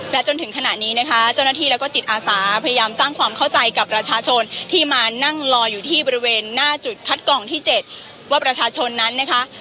และจนถึงขณะนี้นะคะเจ้าหน้าที่แล้วก็จิตอาสาพยายามสร้างความเข้าใจกับประชาชนที่มานั่งรออยู่ที่บริเวณหน้าจุดคัดกองที่๗ว่าประชาชนนั้นนะคะ